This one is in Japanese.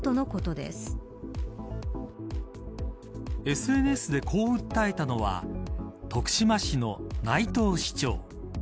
ＳＮＳで、こう訴えたのは徳島市の内藤市長。